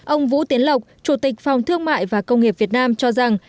ông vũ tiến lộc chủ tịch phòng thương mại và công nghiệp việt nam cho rằng